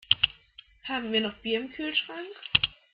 Haben wir noch Bier im Kühlschrank?